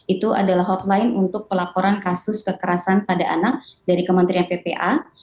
itu adalah hotline untuk pelaporan kasus kekerasan pada anak dari kementerian ppa